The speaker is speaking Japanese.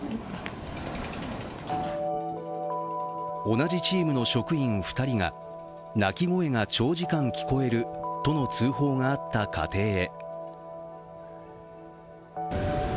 同じチームの職員２人が泣き声が長時間聞こえるとの通報があった家庭へ。